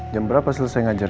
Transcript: jam berapa selesai ngajar